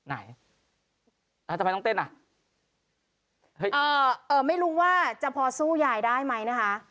อ่าไม่รู้ว่าจะพอสู้ยายได้มั้ยนะคะ